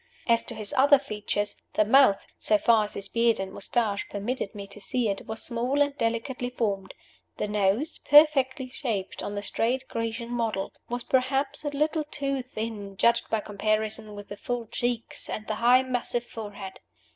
As to his other features, the mouth, so far as his beard and mustache permitted me to see it, was small and delicately formed; the nose perfectly shaped on the straight Grecian model was perhaps a little too thin, judged by comparison with the full cheeks and the high massive forehead.